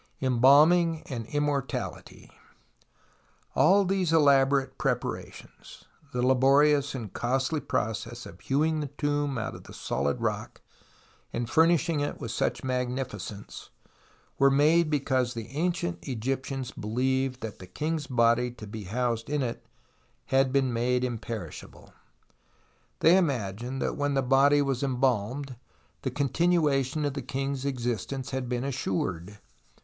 F'mJ)almiug and Immortality All these elaborate preparations, the laborious and costly process of hewing the tomb out of 46 TUTANKHAMEN the solid rock and furnishing it with such magnificence, were made because the ancient Egyptians beheved that the king's body to be housed in it had been made imperishable. They imagined that when the body was em bahned the continuation of the king's existence had been assured.